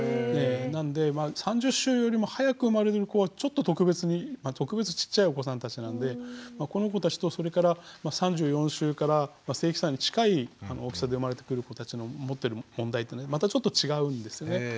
なので３０週よりも早く生まれる子はちょっと特別に特別ちっちゃいお子さんたちなんでこの子たちとそれから３４週からまあ正期産に近い大きさで生まれてくる子たちの持ってる問題というのはまたちょっと違うんですね。